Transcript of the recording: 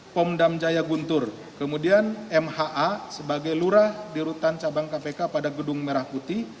pom dam jaya guntur kemudian mha sebagai lurah di rutan cabang kpk pada gedung merah putih